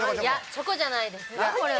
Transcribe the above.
チョコじゃないですか？